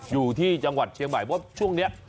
อยู่ที่จังหวัดเชียงใหม่เพราะช่วงนี้